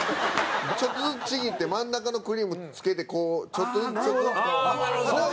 ちょっとずつちぎって真ん中のクリームつけてちょっとずつちょっとずつこう。